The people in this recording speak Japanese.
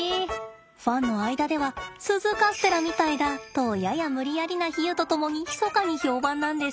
ファンの間では鈴カステラみたいだとやや無理やりな比喩と共にひそかに評判なんです。